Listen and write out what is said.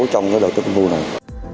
trong đợt bánh trung thu này